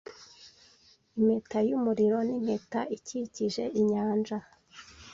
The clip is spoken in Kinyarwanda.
Impeta yumuriro nimpeta ikikije inyanja